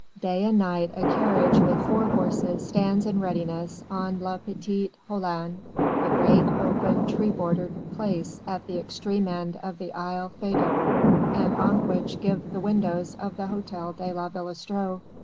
Day and night a carriage with four horses stands in readiness on La Petite Hollande, the great, open, tree bordered Place at the extreme end of the Isle Feydeau and on which give the windows of the Hôtel de la Villestreux.